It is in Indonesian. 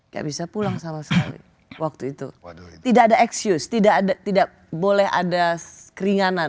gak bisa pulang sama sekali waktu itu tidak ada excuse tidak ada tidak boleh ada keringanan